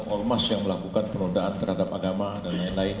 ormas yang melakukan penodaan terhadap agama dan lain lain